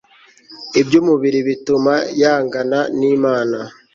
iby umubiri bituma yangana n imana